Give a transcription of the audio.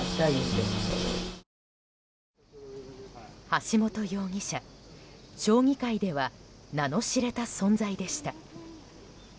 橋本容疑者、将棋界では名の知れた存在でした。